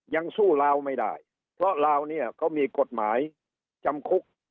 ยังสู้ลาวไม่ได้เพราะลาวเนี่ยเขามีกฎหมายจำคุก